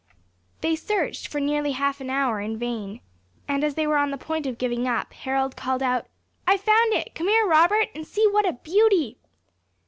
They searched for nearly half an hour in vain; and as they were on the point of giving up, Harold called out, "I have found it! Come here, Robert, and see what a beauty!"